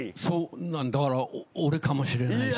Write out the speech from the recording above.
だから俺かもしれないし。